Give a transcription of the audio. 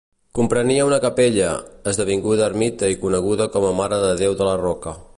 Comprenia una capella, esdevinguda ermita i coneguda com a Mare de Déu de la Roca.